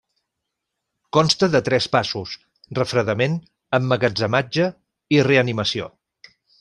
Consta de tres passos: refredament, emmagatzematge, i reanimació.